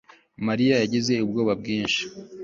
Mariya yagize ubwoba bwinshi